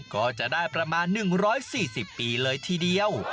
ก็จะได้ประมาณ๑๔๐ปีเลยทีเดียว